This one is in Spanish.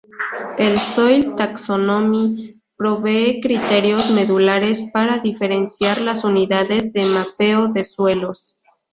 El "Soil Taxonomy" provee criterios medulares para diferenciar las unidades de mapeo de suelos.